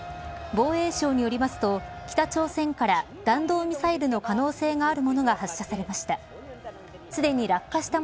防衛省によりますと、北朝鮮から弾道ミサイルの可能性のあるものが発射されました。